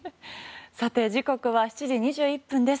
さて時刻は７時２１分です。